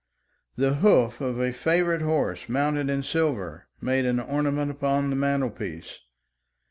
The hoof of a favourite horse mounted in silver made an ornament upon the mantelpiece.